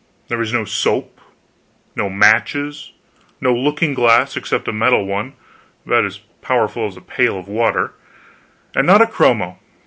There was no soap, no matches, no looking glass except a metal one, about as powerful as a pail of water. And not a chromo.